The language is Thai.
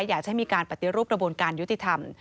อยากจะให้มีการปฏิรูปกระบวนการยุติธรรม